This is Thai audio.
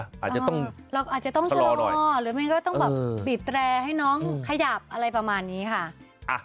อาจจะต้องชะลอหน่อยหรือมันก็ต้องแบบบีบแตรให้น้องขยับอะไรประมาณนี้ค่ะ